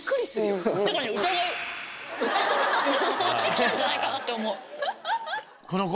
買って来たんじゃないかなって思う。